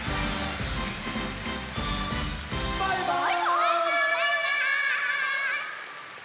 バイバーイ！